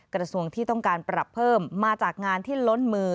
กระทรวงที่ต้องการปรับเพิ่มมาจากงานที่ล้นมือ